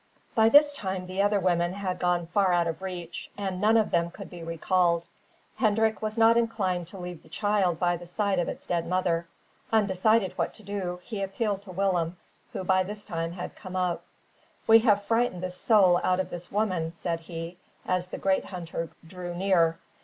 By this time the other women had gone far out of reach, and none of them could be recalled. Hendrik was not inclined to leave the child by the side of its dead mother. Undecided what to do, he appealed to Willem, who, by this, had come up. "We have frightened the soul out of this woman," said he, as the great hunter drew near.